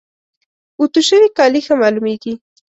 اوتو شوي کالي ښه معلوميږي.